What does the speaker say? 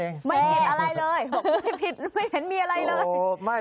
ไม่ผิดอะไรเลยไม่ผิดไม่เห็นมีอะไรเลย